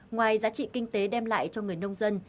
ngoài giá trị kinh tế đem lại cho người nông dân